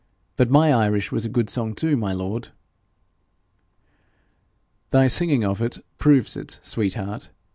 But my Irish was a good song too, my lord.' 'Thy singing of it proves it, sweet heart.